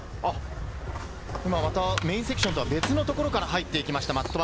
今、またメインセクションとは別のところから入っていきました。